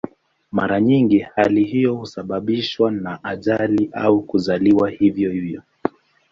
Mara nyingi hali hiyo husababishwa na ajali au kuzaliwa hivyo hivyo.